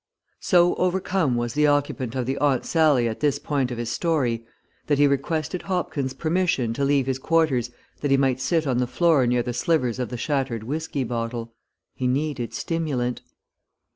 SO overcome was the occupant of the Aunt Sallie at this point of his story, that he requested Hopkins' permission to leave his quarters that he might sit on the floor near the slivers of the shattered whiskey bottle. He needed stimulant.